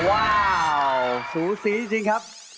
ว้าวสูสีจริงครับ